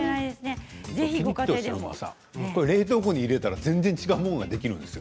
冷蔵庫に入れたら全然違うものができるんですよ。